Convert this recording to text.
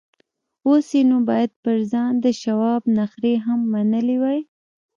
اوس یې نو باید پر ځان د شواب نخرې هم منلې وای